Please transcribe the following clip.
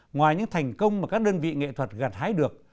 ngoài những thành công mà các đơn vị nghệ thuật gặt hái được